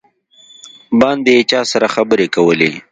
باندې یې چا سره خبرې کولې.